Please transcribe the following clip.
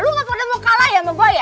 lu gak pernah mau kalah ya sama gue ya